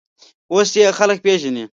اوس یې خلک پېژني.